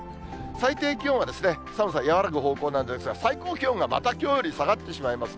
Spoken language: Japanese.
最低気温は、寒さ和らぐ方向なんですが、最高気温がまたきょうより下がってしまいますね。